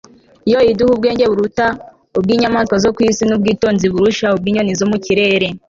yo iduha ubwenge buruta ubw'inyamaswa zo ku isi, n'ubwitonzi burusha ubw'inyoni zo mu kirere